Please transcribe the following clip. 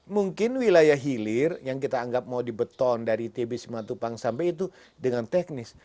mungkin wilayah hilir yang kita anggap mau dibeton dari tbc matupang sampai itu dengan teknis